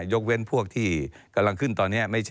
ยกเว้นพวกที่กำลังขึ้นตอนนี้